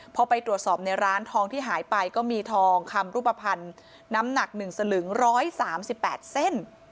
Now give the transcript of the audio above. พอไปตรวจสอบในร้านทองที่หายไปก็มีทองคำรูปภัณฑ์น้ำหนัก๑สลึง๑๓๘เส้น